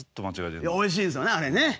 いやおいしいんすよねあれね。